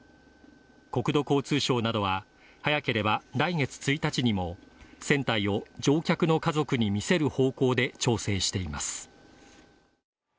国土交通省などは早ければ来月１日にも船体を乗客の家族に見せる方向で調整しています。